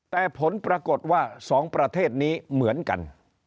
แต่ผลปรากฏว่า๒ประเทศนี้เหมือนกัน